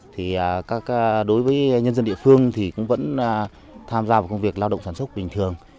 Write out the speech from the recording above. thì đối với nhân dân địa phương thì cũng vẫn tham gia vào công việc lao động sản xuất bình thường